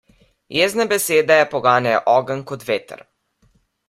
Jezne besede poganjajo ogenj kot veter.